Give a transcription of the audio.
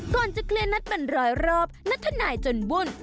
ก่อนจะเคลียร์นัดเป็นร้อยรอบนัทธนายจนวุ่น